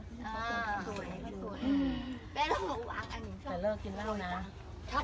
แม่ล่ะหนูวางอันนี้ชอบ